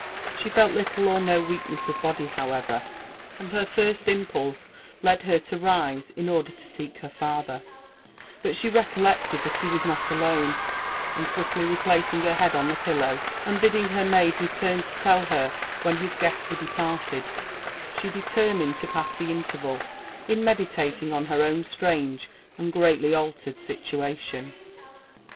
She felt little or no weakness of body, however, and her first impulse S3<» LiF£ AND *AD VENTURES OF led her lo rise,, in order to seek her father ; butshe recollected that be was not alone, and quickly replacing her head on the pillow^, and bidding her maid return to tell her when bis guests were departed, she determined to pass the interval in ineditating on her own strange and greatly altered situation.